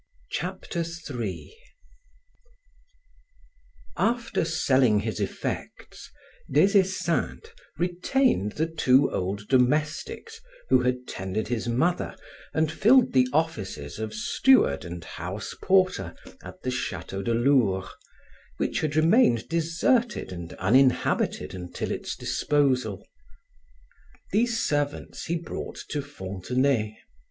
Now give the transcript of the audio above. Chapter 3 After selling his effects, Des Esseintes retained the two old domestics who had tended his mother and filled the offices of steward and house porter at the Chateau de Lourps, which had remained deserted and uninhabited until its disposal. These servants he brought to Fontenay.